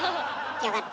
よかった。